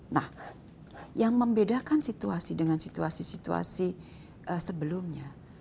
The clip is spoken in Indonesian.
nah yang membedakan situasi dengan situasi situasi sebelumnya